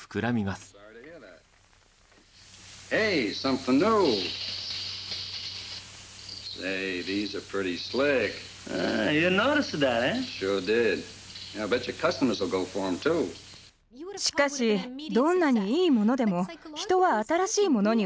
しかしどんなにいいものでも人は新しいものには尻込みしがちです。